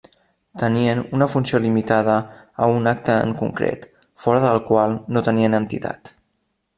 Tenien una funció limitada a un acte en concret, fora del qual no tenien entitat.